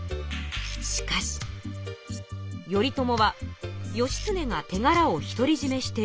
しかし頼朝は義経がてがらを独りじめしている。